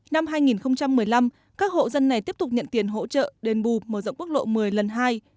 năm hai nghìn một mươi năm các hộ dân này tiếp tục nhận tiền hỗ trợ đền bù mở rộng quốc lộ một mươi lần hai